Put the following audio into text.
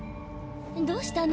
どうしたの？